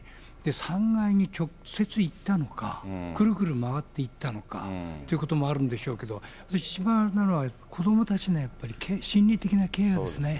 ３階に直接行ったのか、くるくる回って行ったのか、っていうこともあるんでしょうけど、一番なのは、子どもたちのやっぱり心理的なケアですね。